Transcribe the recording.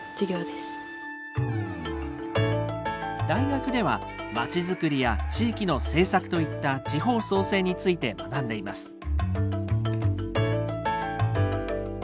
大学ではまちづくりや地域の政策といった地方創生について学んでいます。